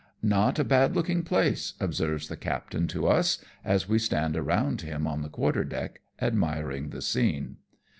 " Not a bad looking place/' observes the captain to us, as we stand around him on the quarter deck, admiring the scene.